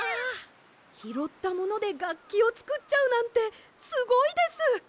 ひろったものでがっきをつくっちゃうなんてすごいです！